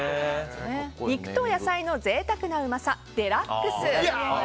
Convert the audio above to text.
肉と野菜の贅沢なうまさデラックス。